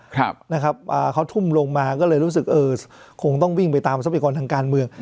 ครับนะครับอ่าเขาทุ่มลงมาก็เลยรู้สึกเออคงต้องวิ่งไปตามทรัพยากรทางการเมือง